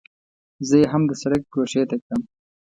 زه یې هم د سړک ګوښې ته کړم.